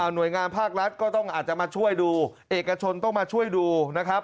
หน่วยงานภาครัฐก็ต้องอาจจะมาช่วยดูเอกชนต้องมาช่วยดูนะครับ